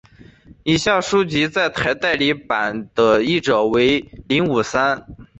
以下书籍在台代理版的译者皆为林武三。